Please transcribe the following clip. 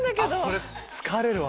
これ疲れるわ。